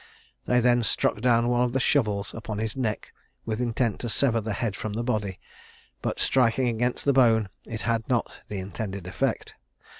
They then struck down one of the shovels upon his neck, with intent to sever the head from the body, but, striking against the bone, it had not the intended effect.